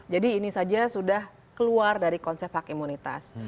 jadi ini saja sudah keluar dari konsep hak imunitas